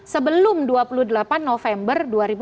sebelum dua puluh delapan november dua ribu dua puluh